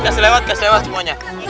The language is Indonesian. kasih lewat semuanya